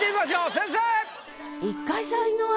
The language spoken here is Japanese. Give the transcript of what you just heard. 先生！